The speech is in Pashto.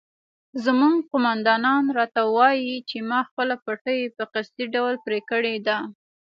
زموږ قومندان راته وایي چې ما خپله پټۍ په قصدي ډول پرې کړې ده.